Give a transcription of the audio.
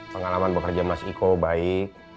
pengalaman bekerja mas iko baik